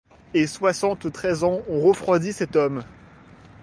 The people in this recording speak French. Et soixante-treize ans ont refroidi cet homme ;